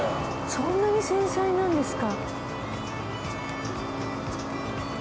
そんなに繊細なんですか。